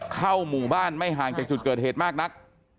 เข้าหมู่บ้านไม่ห่างจากจุดเกิดเหตุมากนัก